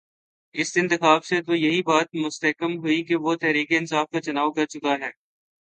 اس انتخاب سے تو یہی بات مستحکم ہوئی کہ وہ تحریک انصاف کا چناؤ کر چکا ہے۔